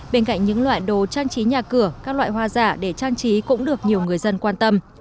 bên cạnh những loại đồ trang trí nhà cửa các loại hoa giả để trang trí cũng được nhiều người dân quan tâm